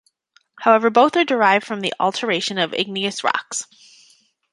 However both are derived from the alteration of igneous rocks.